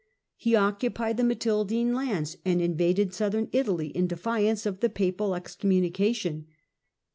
He occupied the Matildine lands, and invaded southern Italy in defiance of the papal excommunication.